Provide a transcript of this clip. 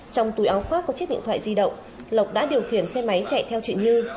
trong túi áo khoác có chiếc điện thoại di động lộc đã điều khiển xe máy chạy theo chị như